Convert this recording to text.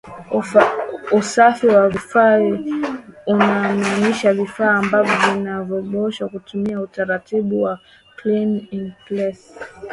Usafi wa vifaa unamaanisha vifaa ambavyo vinaoshwa kutumia utaratibu wa Clean in Place